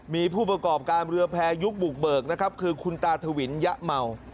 มีผู้ประกอบการเรือแพรยุคบุกเบิกนะครับคือคุณตาทวินยะเมา